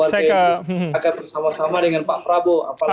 akan bersama sama dengan pak prabowo